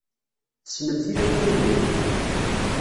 Tessnem tilawin-ihin?